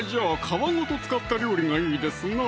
皮ごと使った料理がいいですな